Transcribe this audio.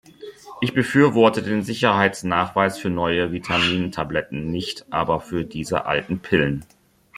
Ich befürworte den Sicherheitsnachweis für neue Vitamintabletten, nicht aber für diese alten Pillen.